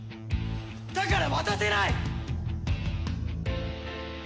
だから渡せない！